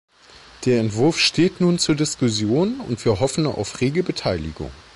Der Entwurf steht nun zur Diskussion, und wir hoffen auf rege Beteiligung.